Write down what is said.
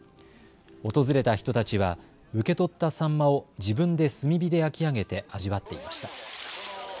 訪れた人たちは受け取ったサンマを自分で炭火で焼き上げて味わっていました。